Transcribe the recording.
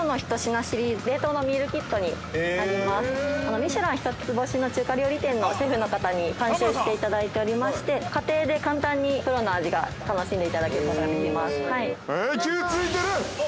ミシュラン一つ星の中華料理店のシェフの方に監修していただいておりまして、家庭で簡単にプロの味が楽しんでいただけます。